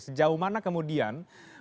sejauh mana kemudian